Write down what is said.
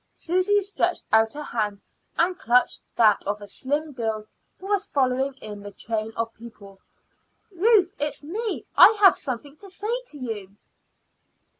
Susy stretched out her hand and clutched that of a slim girl who was following in the train of people. "Ruth, it is me. I have something to say to you."